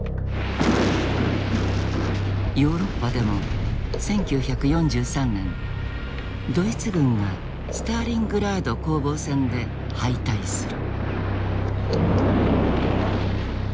ヨーロッパでも１９４３年ドイツ軍がスターリングラード攻防戦で敗退する。